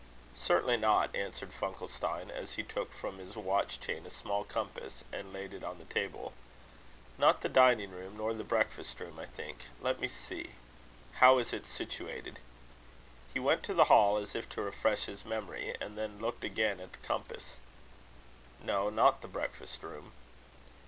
"Certainly not," answered Funkelstein, as he took from his watch chain a small compass and laid it on the table. "Not the dining room, nor the breakfast room I think. Let me see how is it situated?" He went to the hall, as if to refresh his memory, and then looked again at the compass. "No, not the breakfast room."